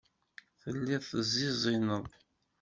Telliḍ teẓẓiẓineḍ.